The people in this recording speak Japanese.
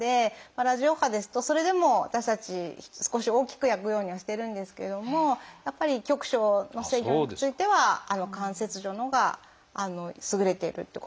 ラジオ波ですとそれでも私たち少し大きく焼くようにはしてるんですけどもやっぱり局所の制御については肝切除のほうが優れているっていうことはありますね。